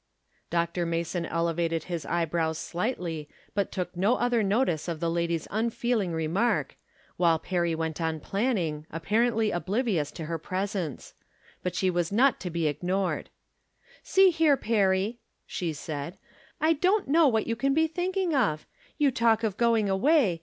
Dr. Mason elevated his eyebrows slightly, but took no other notice of the lady's unfeeling re mark, whUe Perry went on planning, apparently oblivious of her presence. But she was not to be ignored. " See here. Perry !" she said, " I don't know what you can be thinking of ! You talk of going away.